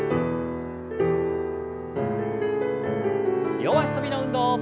両脚跳びの運動。